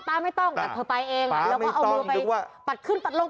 ไม่ต้องแต่เธอไปเองแล้วก็เอามือไปปัดขึ้นปัดลง